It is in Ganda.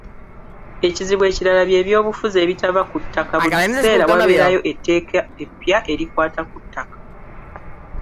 Ekizibu ekirala bye by’obufuzi ebitava ku ttaka, buli kiseera wabeerayo etteeka eppya erikwata ku ttaka.